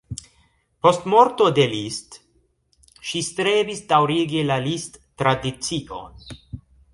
Post morto de Liszt ŝi strebis daŭrigi la Liszt-tradicion.